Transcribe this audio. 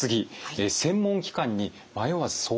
「専門機関に迷わず相談する」。